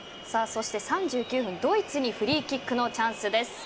そして３９分ドイツにフリーキックのチャンス。